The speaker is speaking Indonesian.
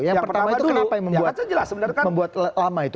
yang pertama itu kenapa yang membuat lama itu